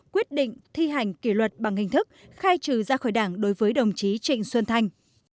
quyết định thi hành kỷ luật bằng hình thức khai trừ ra khỏi đảng đối với đồng chí trịnh xuân thanh